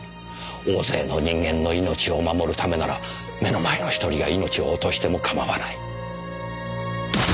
大勢の人間の命を守るためなら目の前の１人が命を落としても構わない。